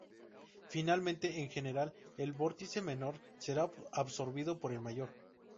Finalmente, en general, el vórtice menor será absorbido por el mayor.